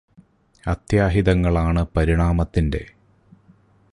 അത്യാഹിതങ്ങളാണ് പരിണാമത്തിന്റെ